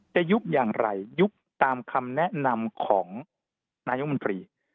ยุบอย่างไรยุบตามคำแนะนำของนายมนตรี